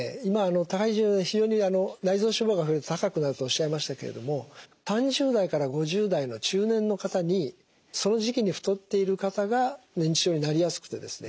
体重内臓脂肪が増えると高くなるとおっしゃいましたけれども３０代から５０代の中年の方にその時期に太っている方が認知症になりやすくてですね